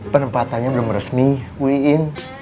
penempatannya belum resmi wiin